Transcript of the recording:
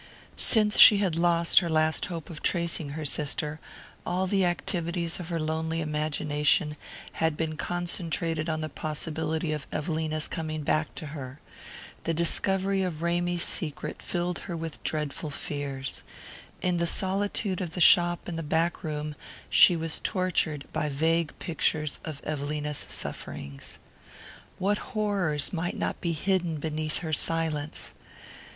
Since she had lost her last hope of tracing her sister, all the activities of her lonely imagination had been concentrated on the possibility of Evelina's coming back to her. The discovery of Ramy's secret filled her with dreadful fears. In the solitude of the shop and the back room she was tortured by vague pictures of Evelina's sufferings. What horrors might not be hidden beneath her silence?